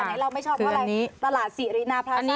อันนี้เราไม่ชอบว่าอะไรตลาด๔อรินาพราสาท